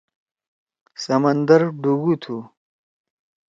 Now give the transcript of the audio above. سمندر ڈُوگُو تُھو۔